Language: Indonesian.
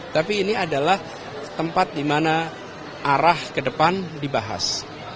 tapi ini adalah tempat di mana arah ke depan dibahas